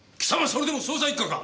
それでも捜査一課か！